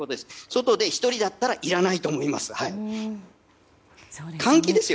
外で１人だったらいらないと思います。